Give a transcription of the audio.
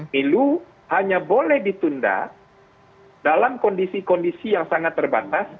milu hanya boleh ditunda dalam kondisi kondisi yang sangat terbatas